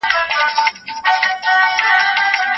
د یو توري غلطي هم تاوان لري.